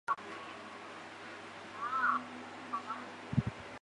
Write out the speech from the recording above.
是指通过对资产证券化的各个环节进行评估而评定证券信用等级的机构。